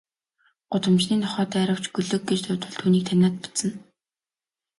Гудамжны нохой дайравч, гөлөг гэж дуудвал түүнийг таниад буцна.